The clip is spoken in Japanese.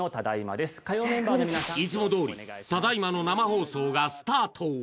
ですいつもどおり「タダイマ！」の生放送がスタート